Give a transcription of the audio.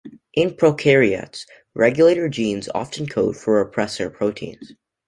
In prokaryotes, regulator genes often code for repressor proteins.